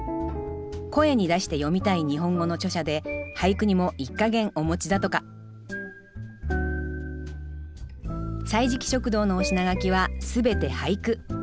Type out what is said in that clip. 「声に出して読みたい日本語」の著者で俳句にも一家言お持ちだとか「歳時記食堂」のお品書きはすべて俳句。